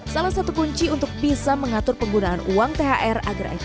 salah satu kunci untuk bisa mengatur penggunaan uang thr